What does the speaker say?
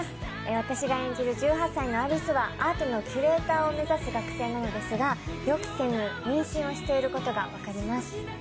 私が演じる１８歳の有栖はアートのキュレーターを目指す学生なのですが、予期せぬ妊娠をしていることが分かります。